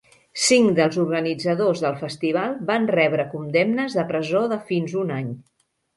Cinc dels organitzadors del festival van rebre condemnes de presó de fins un any.